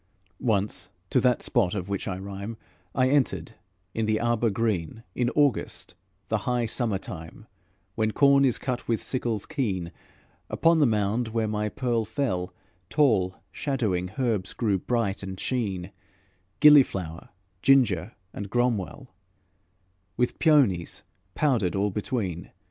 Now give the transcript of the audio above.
Once, to that spot of which I rhyme, I entered, in the arbour green, In August, the high summer time When corn is cut with sickles keen; Upon the mound where my pearl fell, Tall, shadowing herbs grew bright and sheen, Gilliflower, ginger and gromwell, With peonies powdered all between.